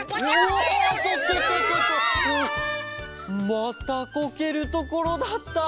またこけるところだった。